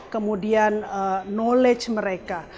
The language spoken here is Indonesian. kemudian knowledge mereka